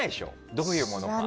どういうものか。